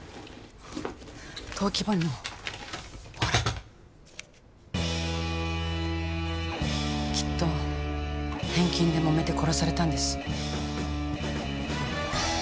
登記簿にもほらきっと返金でもめて殺されたんです